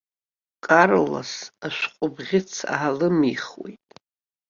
Карлос ашәҟәы бӷьыц аалымихуеит.